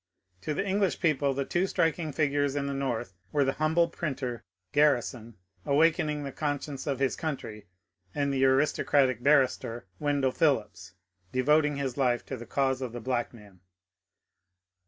To the English people the two striking figures in the North were the humble printer, Grarrison, awakening the conscience of his country, and the aristocratic barrister, Wendell Phillips, de voting his life to the cause of the black man.